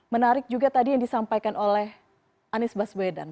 menarik juga tadi yang disampaikan oleh anies baswedan